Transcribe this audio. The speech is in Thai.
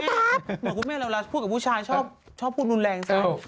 เหมือนคุณแม่เราพูดกับผู้ชายชอบพูดรุนแรงซะ